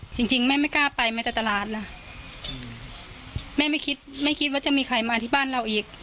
จริงจริงแม่ไม่กล้าไปแม้แต่ตลาดนะแม่ไม่คิดไม่คิดว่าจะมีใครมาที่บ้านเราอีก